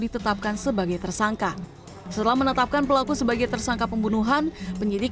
ditetapkan sebagai tersangka setelah menetapkan pelaku sebagai tersangka pembunuhan penyidik